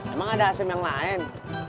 emang ada asem yang lain